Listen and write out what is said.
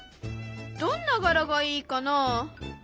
どんな柄がいいかな？